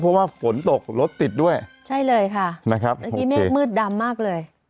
เพราะว่าฝนตกรถติดด้วยใช่เลยค่ะนะครับเมื่อกี้เมฆมืดดำมากเลย